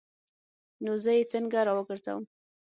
نو زه یې څنګه راوګرځوم؟